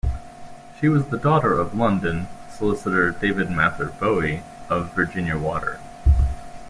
She was the daughter of London solicitor David Mather Bowie of Virginia Water.